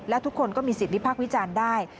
และทุกคนก็มีสิทธิวิพากษ์วิจารณ์ได้